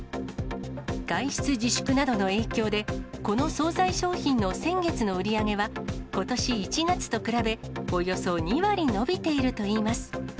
外出自粛などの影響で、この総菜商品の先月の売り上げは、ことし１月と比べ、およそ２割伸びているといいます。